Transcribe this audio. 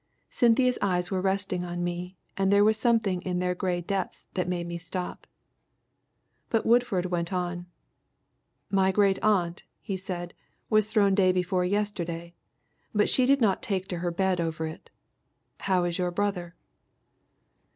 Cynthia's eyes were resting on me, and there was something in their grey depths that made me stop. But Woodford went on. "My great aunt," he said, "was thrown day before yesterday, but she did not take to her bed over it. How is your brother?"